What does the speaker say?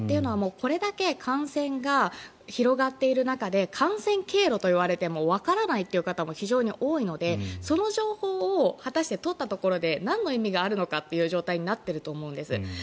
というのはこれだけ感染が広がっている時に感染経路といわれてもわからないという方も非常に多いので、その情報を果たして取ったところでなんの意味があるのかという状態になっているんだと思います。